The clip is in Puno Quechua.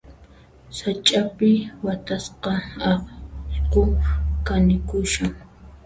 Sach'api watasqa allqu kanikushan.